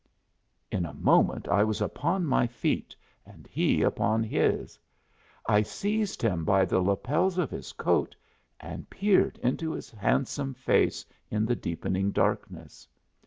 In a moment I was upon my feet and he upon his. I seized him by the lapels of his coat and peered into his handsome face in the deepening darkness.